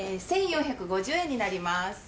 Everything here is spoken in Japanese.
１，４５０円になります。